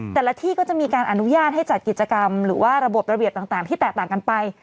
แต่ละที่ก็จะมีการอนุญาตให้จัดกิจกรรมหรือว่าระบบระเบียบต่างที่แตกต่างกันไป